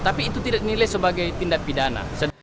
tapi itu tidak dinilai sebagai tindak pidana